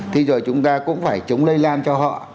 thế rồi chúng ta cũng phải chống lây lan cho họ